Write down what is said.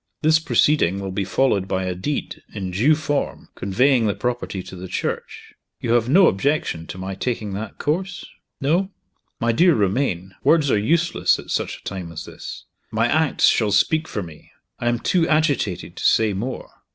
This proceeding will be followed by a deed, in due form, conveying the property to the Church. You have no objection to my taking that course? No? My dear Romayne, words are useless at such a time as this. My acts shall speak for me. I am too agitated to say more.